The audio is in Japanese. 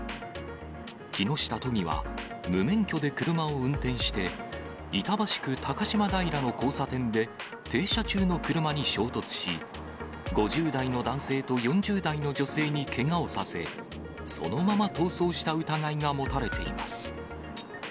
木下都議は、無免許で車を運転して、板橋区高島平の交差点で、停車中の車に衝突し、５０代の男性と４０代の女性にけがをさせ、そのまま逃走した疑いが持たれています。